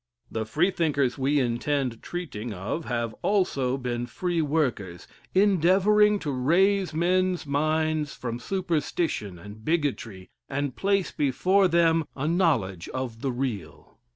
The Freethinkers we intend treating of have also been Free Workers, endeavoring to raise men's minds from superstition and bigotry, and place before them a knowledge of the real.